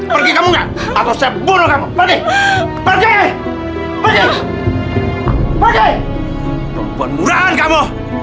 perempuan murahan kamu